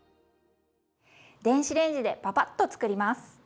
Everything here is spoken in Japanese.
電子レンジでパパッと作ります。